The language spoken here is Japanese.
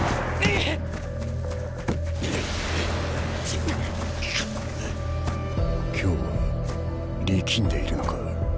心の声今日は力んでいるのか。